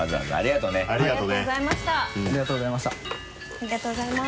ありがとうございます。